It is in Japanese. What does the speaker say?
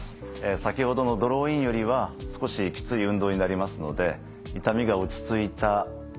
先ほどのドローインよりは少しきつい運動になりますので痛みが落ち着いた１週間ぐらいから始めてみてください。